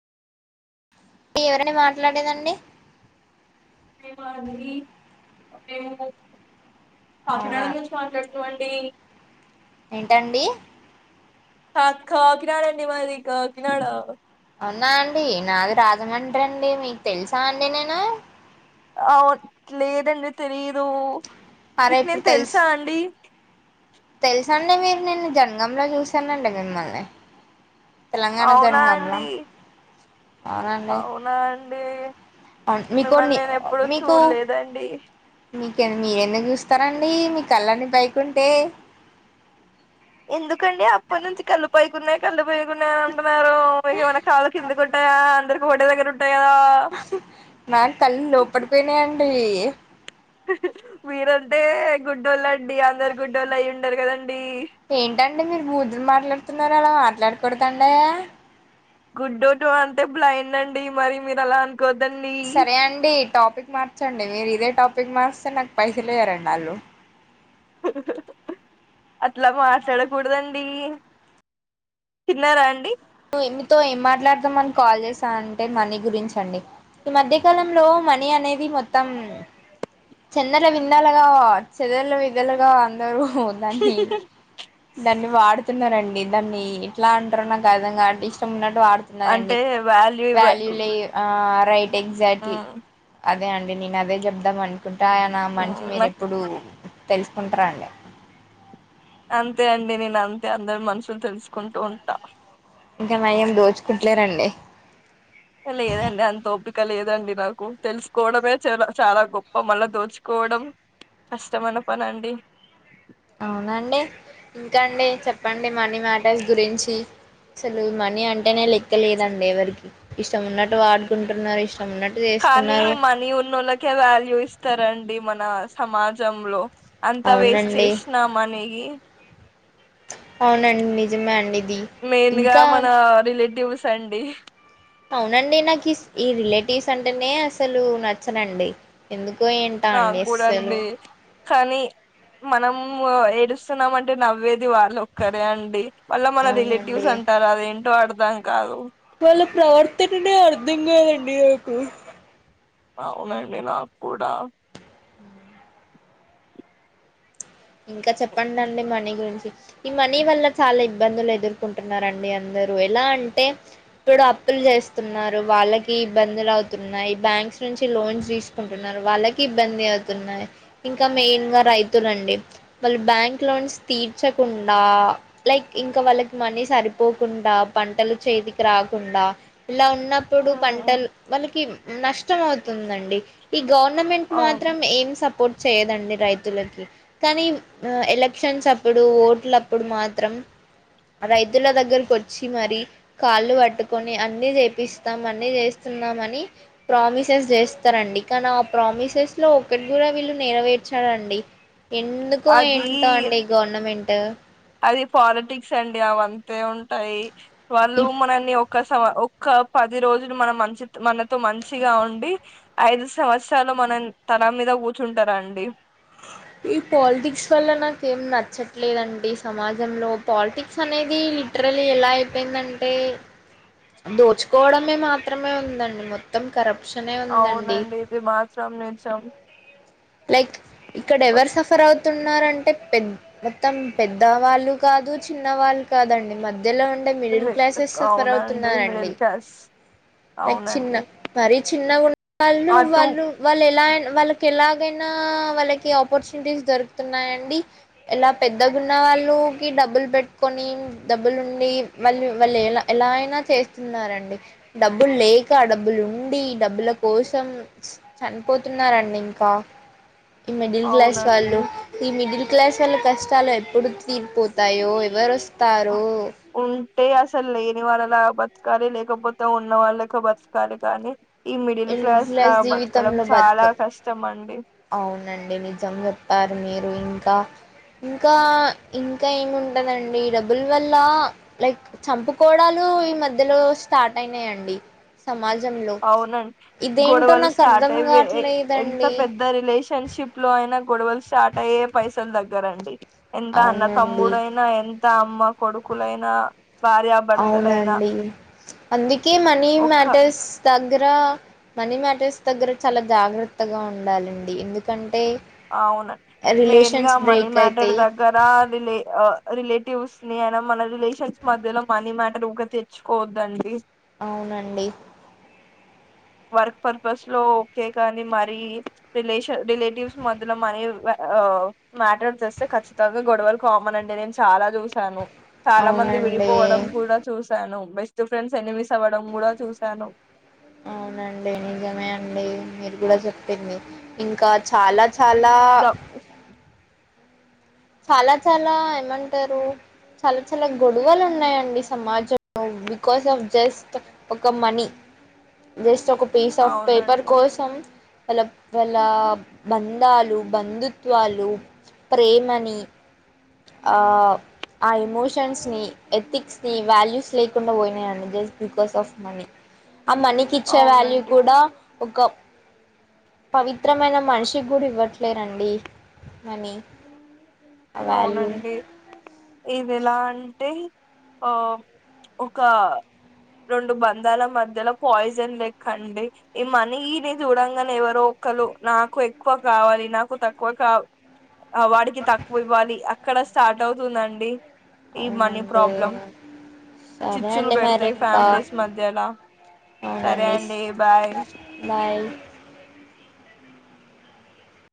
ఎవరండీ మాట్లాడేదండి ఏ కాకినాడ అవునా నుంచి మాట్లాడుతునము అండి ఏంటండి హాఖ కకినడన్ని మాది కాకినాడ అవున్నా అండి నాది రాజమండ్రి అండి మీకు తెలుసా అండి నేను అవు లేదండి తెలీదు అరే మీకు నేను తెలుసా అండి తెలుస అండి మీరు నేన్న జనగాం లో చూసానండి మిమ్మల్ని తెలంగాణ అవునా జనగాం కామ్ల అండి అవునా అండి అవును మీకు మిమ్మల్ని నేను ఎప్పుడు చూడలేదండి మీకె మీరెందుకు చూస్తారండి మీ కళ్ళని పైకుంటే ఎందుకండి అప్పటి నుంచి కళ్ళు పైకున్నాయి కళ్ళు పైకియనే ఉంటున్నారుమైనా కాళ్ళు కిందకుంటే అందరికి ఒకటే దగ్గర ఉంటాయి కదా ఏ మీరంటే గుడ్డోళ్ళండి అందరు గుడ్డోళ్ళు అయి ఉండారు కదండి ఏంటండి మీరు బూతూలు మాట్లాడుతున్నారుర అలా మాట్లాడకూడద అండి గుడ్ టో అంటే బ్లైండ్ అండి మరి మీరు అలా అ సరే అండి టాపిక్ మార్ మార్చ్చండి మీరు ఇదే టాపిక్ మార్స్తే నాకు పైసలుయరండి వాళ్ళు అట్లా మాట్లాడకూడదండి తిన్నారా అండి మీతో ఏం మాట్లాడదాం అని కాల్ చేసా అంటే మనీ గురించ అండి ఈ మధ్యకాలంలో మనీ అనేది మొత్తం చెందల విందలుగా చెదల విదలుగా అందరు దాన్ని వాడుకో అతున్నారండి దాన్ని ఎట్లా అంటారు నాకు అర్థం కాటే ఇష్టం ఉన్నట్ వాడుతున్నారండి అంటే ఇవ్వ వాల్యూ లేదు ఆ రైట్ ఎగ్జాక్ట్లీ ఉమ్, అదే అండి నేను అదే చెబుదాం అనుకుంటా ఇన నా ఉమ్, మనసు మీరు నాకు ఎప్పుడు తెలుసుకుంటార అండి అంతే అండి నేను అంతే అందరు మనుషులు తెలుసుకుంటూ ఉంటా ఇంకా నయం దోచుకుంటలేరండి లేదండి అంత ఒపిక లేదండి నాకు తెలుసుకోవడమే చ చాలా గొప్ప మళ్ళా దోచుకో పోవడం కష్టం అయిన పని అండి అవునండి ఇంకా అండి చెప్పండి మనీ మ్యాటర్స్ గురించి అసలు మనీ అంటేనే లెక్కలేదండి ఎవరికి ఇష్టం ఉన్నట్టు వాడుకుంటున్నారు ఉన్నట్టు కానీ చేస్తున్నారు మనీ ఉన్నోళ్ళకే వాల్యూ ఇస్తారండి మన సమాజంలో అంతా వేస్ట్ అవునండి చేసినాం మనీగి అవునండి నిజమే అండి ఇది మెయిన్ గా ఇంకా మన రిలేటివ్స్ అండి అవునండి నాకు ఈ రిలేటివ్స్ అంటేనే అసలు నచ్చనండి ఎందు నాకు కూడా అండి కానీ మనం ఏడుస్తున్నామ అంటే నవ్వేది వాళ్ళు ఒక్కరే అండి మళ్ళ మన అవునండి రిలేటివ్స్ అంటారు అదేంటో అర్థం కాదు వాళ్ళ ప్రవర్తననే అర్థం కాదండి నాకు అవునండి నాకు కూడా ఇంకా చెప్పండి అండి మనీ గురించి ఈ మనీ వల్ల చాలా ఇబ్బందులు ఎదుర్కొంటున్నారండి అందరూ ఎలా అంటే ఇప్పుడు అప్పులు చేస్తున్నారు వాళ్ళకి ఇబ్బందులవుతున్నాయి బ్యాంక్స్ నుంచి లోన్స్ తీసుకుంటున్నారు వాళ్ళకి ఇబ్బంది అవుతున్నాయి ఇం కా మెయిన్ గా రైతులండి వాళ్ళు బ్యాంక్ లోన్స్ తీర్చకుండా లైక్ ఇంకా వాళ్ళకి మనీ సరిపోకుండా పంటలు చేతికి రాకుండా ఇలా ఉన్నప్పుడు హ్మ్. పంటలు వాళ్ళకి నష్టం అవుతుందండి ఈ గవర్నమెంట్ అవును మాత్రం ఏం సపోర్ట్ చేయదండి రైతులకి కానీ ఎలక్షన్స్ అప్పుడు ఓట్లప్పుడు మాత్రం రైతుల దగ్గరకోచ్చి మరీ కాళ్ళు పట్టుకొని అన్ని చేపిస్తాం అన్ని చేస్తాం మని ప్రామిసెస్ చేస్తారండి కానీ ఆ ప్రామిసెస్ లో ఒకటి కూడా వీళ్ళు నెరవేర్ చరండి ఎందుకో అది ఏంటో అండి గవర్నమెంట్ అది పాలిటిక్స్ అండి అవంతే ఉంటాయ్ వాళ్ళు ఈ మనల్ని ఒ ఒక స ఒక్క పది రోజులు మన మంచి మనతో మంచిగా ఉండి ఐదు సంవత్సరల మనం తనా మీద కూర్చుంటారండి ఈ పాలిటిక్స్ వల్ల నాక ఏం నచ్చట్లేదండి సమాజంలో పాలిటిక్స్ అనేది లిట్ ట్లరీ ఎలా అయిపోయిందంటే దోచుకోవడమే మాత్రమే ఉందండి మొత్తం కరప్ అవునండి ఇది మాత్రం నిజం లైక్ ఇక్కడ ఎవరు సఫర్ అవ్ తున్నారంటే పెద్ మొత్తం పెద్దవాళ్ళు కాదు చిన్నవాళ్ళు కాదండి మద్ ధ్యలో ఉండే మిడిల్ క్లాసెస్ సఫర్ అవునండి అవుతున్నారండి మిడిల్ క్లాస్ లైక్ చిన్న అవునండి మరీ చిన్నగున్న వాళ్ళు అటు వాళ్ళు వాళ్ళు ఎలాన్ వాళ్ళకి ఎలాన్ కేనా వాళ్ళకి ఆపర్చనిటీస్ దొరుకుతున్నాయండి ఇలా పెద్దగున్నా వాళ్ళకి డ బ్బులు పెట్టుకొని డబ్బులుండి వాళ్ళు వాళ్ళు ఎలా ఎలా అయినా చేస్తున్నారండి డబ్బుల్ లేక డబ్బులు ఉండి డబ్బుల కోసం చనిపోతున్నారండి ఇంకా ఈ మిడ్ల్ క్లాస్ అవునండి వాళ్ళు ఈ మిడిల్ క్లాస్ వాళ్ళ కష్టాలు ఎప్పుడు తీరిపోతాయో ఎవరు ఓస్ ఉంటే అసలు లేని వాళ్లన్ లా బతకాలి లేకపోతే ఉన్న వాలెక్క బతకాలి కానీ ఈ మిడిల్ క్లాస్ లా బతకడం చాలా కష్టం అండి అవునండి నిజం చెప్పారు మీరు ఇంకా ఇంకా ఇంకా ఏముంటందండి డబ్బులు వల్ల లైక్ చంపుకోడాలు ఈ మధ్యలో స్టార్ట్ అయినాయండి సమాజంలో మ్ ఇదేంటో గడలు నాకు స్టార్ట్ అర్థం అయి వే ఎ ఎంత కావట్లేదండి పెద్ద రిలేషన్షిప్ లో అయిన గొడవలు స్టార్ట్ అయ్యే పైసలు దగ్గరండి ఎంత అన్న అవునండి తమ్ముడైనా ఎంత అమ్మ కొడుకులైనా భార్యాభర్తలైనా అవునండి అందుకే మనీ ఒక్క మ్యాటర్స్ దగ్గర మనీ మ్యాటర్స్ దగ్గర చాలా జాగ్రత్తగా ఉండాలండి ఎందుకంటే అ అవునండి మెయిన్ గా రిలేషన్స్ మనీ బ్రేక్ మ్యాటర్ అయితాయి దగ్గర రిలే ఆ రిలే టివ్స్ ని అయిన మన రిలేషన్స్ మధ్యలో మనీ మ్యాటర్ తెచ్చుకోవద్దండి అవునండి వర్క్ పర్పస్ లో ఓకే కానీ మరి రిలేషన్ రిలేటివ్స్ మదల మనీ వ ఆ మ్యాటర్ చేస్తే ఖచ్చితంగా గొడవలు కామన్ అండి నేను చాలా చూసాను చాలా మంది అవునండి విడిపోవడం కూడా చూశాను బెస్ట్ ఫ్రెండ్స్ ఎన్ని మిస్ అవ్వడం కూడా చూశాను అవునండి నిజమే అండి మీరు కూడా చెప్పింది ఇంకా చాలా చాలా ద చాలా చాలా ఏమంటారు చాలా చాలా గొడవలు ఉన్నాయండి సమాజంలో బికాస్ ఆఫ్ జస్ట్ ఒక మనీ జస్ట్ ఒక పీస్ ఆఫ్ పేపర్ అవునండి కోసం వాళ్ళ వాళ్ళ బంధాలు బంధుత్వాలు ప్రేమని ఆ ఆ ఎమోషన్స్ నీఎథిక్స్ ని వాల్యూస్ లేకుండా పోయినాయండి జస్ట్ బికాస్ ఆఫ్ మనీ ఆ మనీకి ఇచ్చే వ్యాల్యూ అవునండి కూడా ఒక పవిత్రమైన మనిషికి కూడా ఇవ్వట్లేరండి మనీ ఆ వాల్యూ అవునండి ఇదిలా అంటే ఆ ఒక రెండు బంధాల మధ్యలో పాయిజన్ లెక్కండి ఈ మనీని చూడంగానే ఎవరో క్కలు నాకు ఎక్కువ కావాలి నాకు తక్కువ కా వాడికి తక్ అండి అక్కడ స్టార్ట్ అవుతుందండి ఈ మనీ అవునండి ప్రాబ్లం సరే చిచ్చులు అండి పెడతే మరి ఇంకా ఫ్యామిలీస్ మధ్యలా సరే అవునండి అండి బాయ్ బాయ్